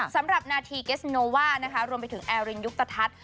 สำหรับนาทีเกสโนว่านะคะรวมไปถึงแอรินยุคตะทัศน์